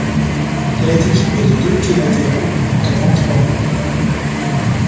Elle est équipée de deux quais latéraux encadrant trois voies.